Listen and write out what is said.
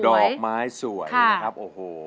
ดอกไม้สวยนะครับโอ้โห